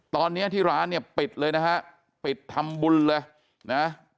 ตอนนี้ที่ร้านเนี่ยปิดเลยนะฮะปิดทำบุญเลยนะ